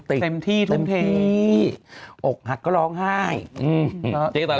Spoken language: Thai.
เต็มที่ทุ่มที่โออกหัดก็ร้องไห้จริงตลอด